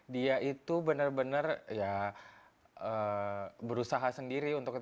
dia itu benar benar ya berusaha sendiri untuk